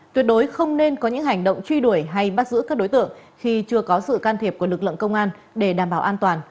tuyệt đối không nên có những hành động truy đuổi hay bắt giữ các đối tượng khi chưa có sự can thiệp của lực lượng công an để đảm bảo an toàn